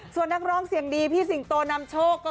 ส่วนนักร่องเสียงดีนามโชก